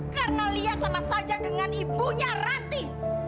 karena lia sama saja dengan ibunya ranti